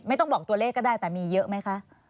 ต้องบอกตัวเลขก็ได้แต่มีเยอะไหมคะ